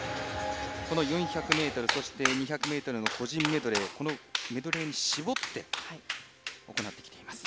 ４００ｍそして、２００ｍの個人メドレーメドレーに絞って行ってきています。